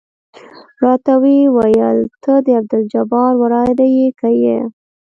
راته ويې ويل ته د عبدالجبار وراره يې که يه.